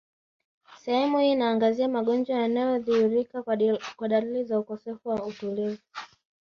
Sehemu hii inaangazia magonjwa yanayodhihirika kwa dalili za ukosefu wa utulivu